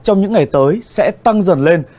trong những ngày tới sẽ tăng dần lên